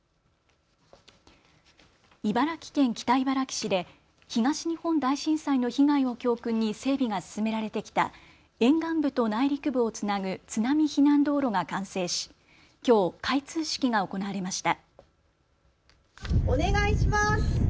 茨城県北茨城市で東日本大震災の被害を教訓に整備が進められてきた沿岸部と内陸部をつなぐ津波避難道路が完成しきょう開通式が行われました。